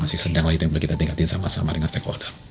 masih sedang lah itu yang juga kita tingkatin sama sama dengan stakeholder